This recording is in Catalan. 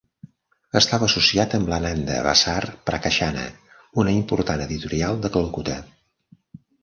Estava associat amb l'Ananda Bazar Prakashana, una important editorial de Calcuta.